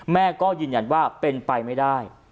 แม่ก็ยืนยันว่าเป็นไปไม่ได้